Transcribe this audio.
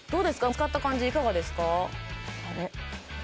使った感じいかがですか？